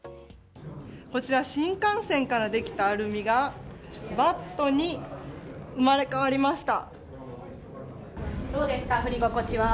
こちら新幹線からできたアルミがバットに生まれ変わりました。